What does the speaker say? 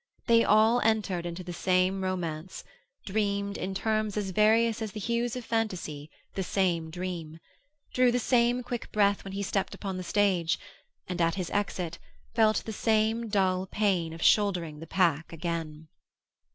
They all entered into the same romance; dreamed, in terms as various as the hues of fantasy, the same dream; drew the same quick breath when he stepped upon the stage, and, at his exit, felt the same dull pain of shouldering the pack again.